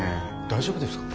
大丈夫ですか？